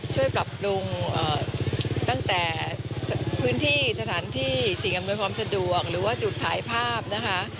ช่วยปรับปรุงตั้งแต่พื้นที่สถานที่สิ่งอำนวยความสะดวกหรือว่าจุดถ่ายภาพนะคะ